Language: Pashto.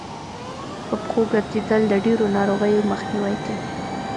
په پښو ګرځېدل د ډېرو ناروغيو مخنیوی کوي